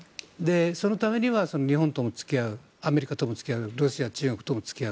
そのためには、日本とも付き合うアメリカとも付き合うロシア、中国とも付き合う。